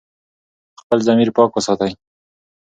خپل ضمیر پاک وساتئ.